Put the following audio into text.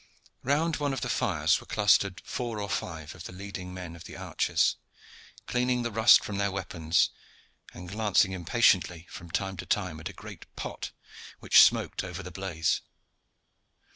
Round one of the fires were clustered four or five of the leading men of the archers, cleaning the rust from their weapons, and glancing impatiently from time to time at a great pot which smoked over the blaze.